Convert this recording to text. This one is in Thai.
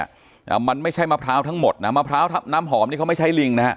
อ่ามันไม่ใช่มะพร้าวทั้งหมดนะมะพร้าวน้ำหอมนี่เขาไม่ใช้ลิงนะฮะ